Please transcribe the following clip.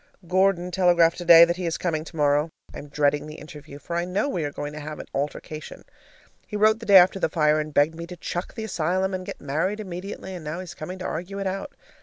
Gordon telegraphed today that he is coming tomorrow. I am dreading the interview, for I know we are going to have an altercation. He wrote the day after the fire and begged me to "chuck the asylum" and get married immediately, and now he's coming to argue it out.